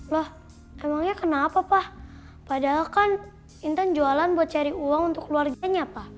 loh emangnya kenapa pak padahal kan intan jualan buat cari uang untuk keluarganya pak